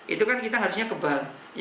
itu kan kita harusnya kebal